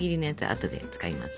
あとで使います。